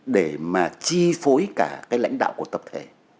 để mà chi phối cả cái lãnh đạo của tập thể